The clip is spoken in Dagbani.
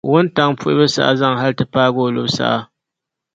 Wuntaŋ’ puhibu saha zaŋ hal ti paai o lubu saha.